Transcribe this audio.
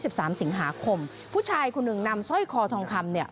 สามสิงหาคมผู้ชายคนหนึ่งนำสร้อยคอทองคำเนี่ย